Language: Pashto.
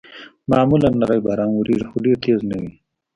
معمولاً نری باران اورېږي، خو ډېر تېز نه وي.